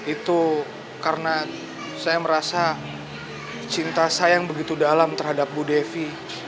itu karena saya merasa cinta saya yang begitu dalam terhadap bu devi